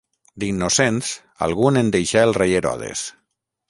D'innocents, algun en deixà el rei Herodes.